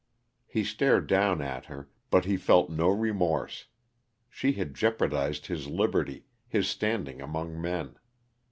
He stared down at her, but he felt no remorse she had jeopardized his liberty, his standing among men.